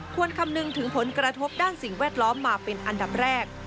คำนึงถึงผลกระทบด้านสิ่งแวดล้อมมาเป็นอันดับแรก